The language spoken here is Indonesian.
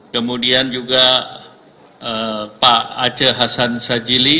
kemudian juga pak aceh hasan sajili